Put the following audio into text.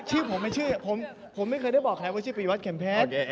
ชื่อผมไม่เคยได้บอกแหละว่าชื่อปริยวัฒน์เข็มเพชร